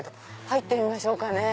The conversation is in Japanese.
入ってみましょうかね。